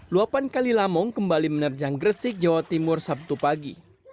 luapan kali lamong kembali menerjang gresik jawa timur sabtu pagi